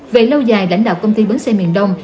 về lâu dài lãnh đạo công ty bến xe miền đông